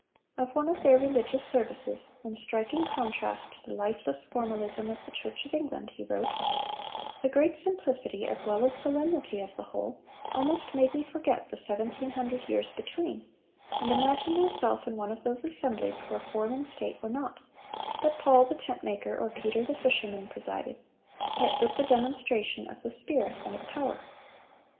Of one of their religious services, in striking contrast to the lifeless formalism of the Church of England, he wrote: "The great simplicity as well as solemnity of the whole almost made me forget the seventeen hundred years between, and imagine myself in one of those assemblies where form and state were not; but Paul, the tent maker, or Peter, the fisherman, presided; yet with the demonstration of the Spirit and of power."